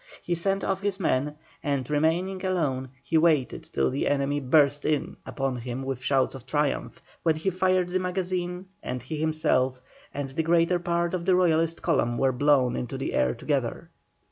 He sent off his men, and remaining alone he waited till the enemy burst in upon him with shouts of triumph, when he fired the magazine, and he himself and the greater part of the Royalist column were blown into the air together.